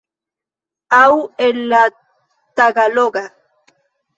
Aŭ el la tagaloga.